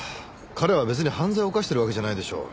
彼は別に犯罪を犯してるわけじゃないでしょう？